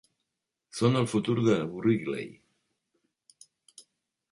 Són el futur de Wrigley.